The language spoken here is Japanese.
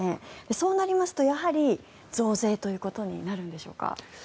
そうなりますと、やはり増税となるんでしょうか？